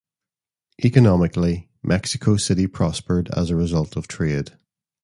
Economically, Mexico City prospered as a result of trade.